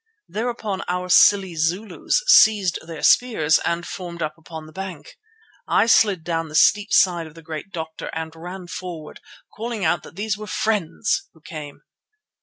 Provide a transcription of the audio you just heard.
Thereupon our silly Zulus seized their spears and formed up upon the bank. I slid down the steep side of the "Great Doctor" and ran forward, calling out that these were friends who came.